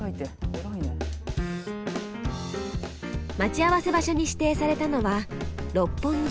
待ち合わせ場所に指定されたのは六本木。